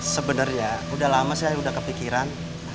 sebenarnya udah lama saya udah kepikiran